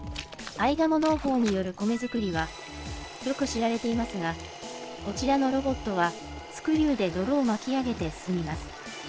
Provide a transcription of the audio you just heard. アイガモ農法による米作りは、よく知られていますが、こちらのロボットはスクリューで泥を巻き上げて進みます。